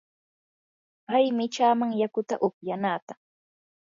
pay michaaman yakuta upyanaata.